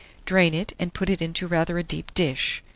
Drain it, and put it into rather a deep dish.